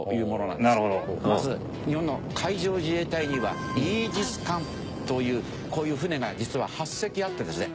まず日本の海上自衛隊にはイージス艦というこういう船が実は８隻あってですね